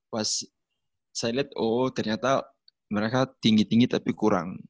pas saya lihat oh ternyata mereka tinggi tinggi tapi kurang